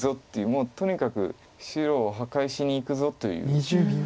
もうとにかく白を破壊しにいくぞという。